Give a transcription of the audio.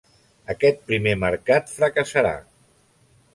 Aquest primer mercat fracassarà.